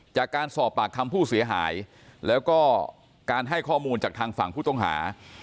จากการสอบปากคำผู้เสียหายแล้วก็การให้ข้อมูลจากทางฝั่งผู้ต้องหา